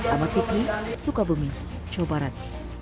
amat kikli sukabumi jawa barat